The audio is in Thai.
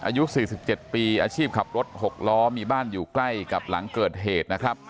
อายุ๔๗ปีอาชีพขับรถ๖ล้อมีบ้านอยู่ใกล้กับหลังเกิดเหตุนะครับ